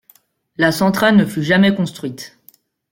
La centrale ne fut jamais construite.